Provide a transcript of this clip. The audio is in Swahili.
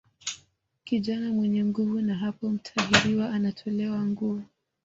Kijana mwenye nguvu na hapo mtahiriwa anatolewa nguo